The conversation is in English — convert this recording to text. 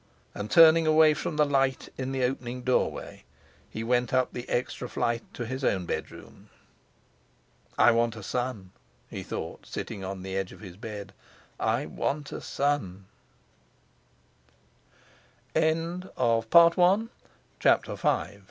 And, turning away from the light in the opening doorway, he went up the extra flight to his own bedroom. "I want a son," he thought, sitting on the edge of his bed; "I want a son." CHAPTER VI NO LONGER YOUNG JO